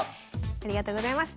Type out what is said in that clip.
ありがとうございます。